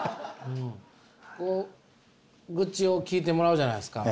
こう愚痴を聞いてもらうじゃないですか。